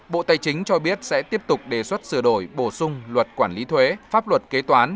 bộ tài chính cho biết sẽ tiếp tục đề xuất sửa đổi bổ sung luật quản lý thuế pháp luật kế toán